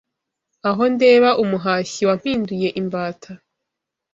Aho ndeba umuhashyi Wampinduye imbata